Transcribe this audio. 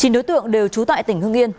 chín đối tượng đều trú tại tỉnh hương yên